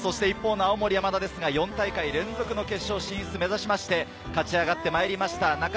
一方の青森山田ですが、４大会連続の決勝進出を目指しまして勝ち上がってまいりました。